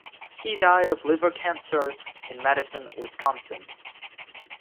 He died of liver cancer in Madison, Wisconsin.